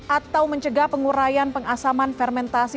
atau mencegah pengurayan pengasaman fermentasi